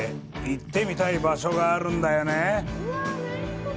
行ってみたい場所があるんだよね！